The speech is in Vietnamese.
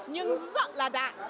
nhưng rất là đặn